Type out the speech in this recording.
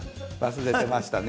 忘れてましたね。